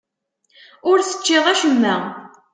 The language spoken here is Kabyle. Ur teččiḍ acemma.